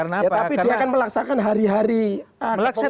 tapi dia akan melaksakan hari hari pengurusan